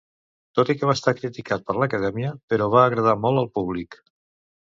Tot i que va estar criticat per l'acadèmia, però va agradar molt al públic.